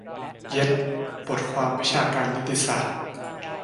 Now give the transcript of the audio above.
"เย็ด" บทความวิชาการนิติศาสตร์